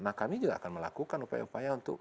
nah kami juga akan melakukan upaya upaya untuk